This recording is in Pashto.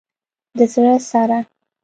د زړه سره